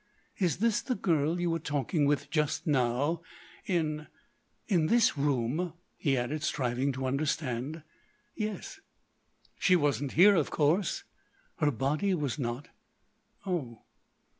"Is this the girl you were talking with just now? In—in this room?" he added, striving to understand. "Yes." "She wasn't here, of course." "Her body was not." "Oh!"